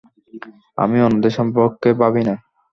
আমি অন্যদের সম্পর্কে ভাবি না!